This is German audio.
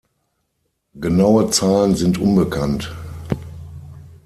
Genaue Zahlen sind unbekannt.